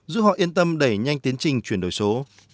giữ họ yên tâm đẩy nhanh tiến trình truyền đổi số